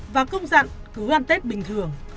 và công dặn cứu ăn tết bình thường